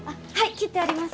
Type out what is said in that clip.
切ってあります。